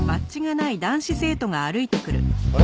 あれ？